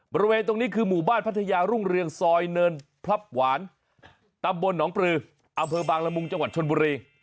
บริเวณตรงนี้คือหมู่บ้านพัทยารุ่งเรืองซอยเนินพลับหวานตำบลหนองปลืออำเภอบางละมุงจังหวัดชนบุรี